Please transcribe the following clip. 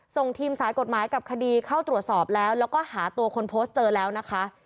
ส่งทีมสายกฎหมายกับคดีเข้าตรวจสอบแล้วแล้วก็หาตัวคนโพสต์เจอแล้วนะคะ